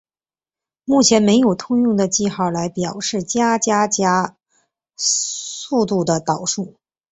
目前没有通用的记号来表示加加加速度的导数。